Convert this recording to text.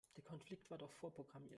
Der Konflikt war doch vorprogrammiert.